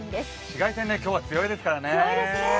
紫外線、今日は強いですからね。